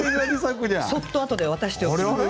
そっと後で渡しておきます。